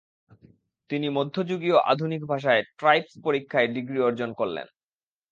তিনি মধ্যযুগীয় আধুনিক ভাষায় ট্রাইপস্ পরীক্ষায় ডিগ্রি অর্জন করলেন।